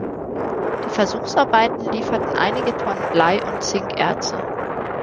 Die Versuchsarbeiten lieferten einige Tonnen Blei- und Zinkerze.